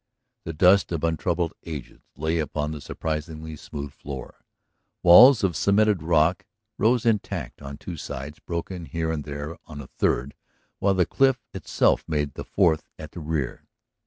The dust of untroubled ages lay upon the surprisingly smooth floor. Walls of cemented rock rose intact on two sides, broken here and there on a third, while the cliff itself made the fourth at the rear.